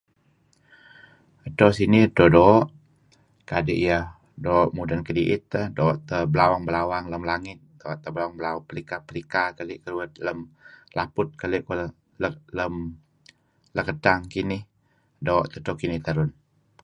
Edto sinih 'dto doo' kadi iyeh doo' mudn kediit doo' teh belawang lam langit doo' teh pelika keli' keuih laput keli' lat lem lekadang kinih doo' teh dto kinih terun.